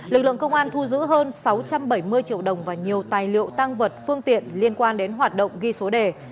lực lượng công an thu giữ hơn sáu trăm bảy mươi triệu đồng và nhiều tài liệu tăng vật phương tiện liên quan đến hoạt động ghi số đề